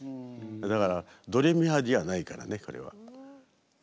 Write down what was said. だからドレミファじゃないからねこれは。